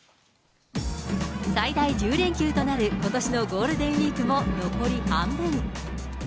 最大１０連休となることしのゴールデンウィークも、残り半分。